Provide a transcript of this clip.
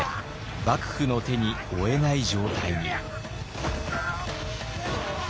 幕府の手に負えない状態に。